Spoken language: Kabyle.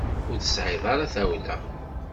Ur tesɛiḍ ara tawla.